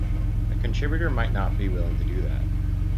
a contributor might not be willing to do that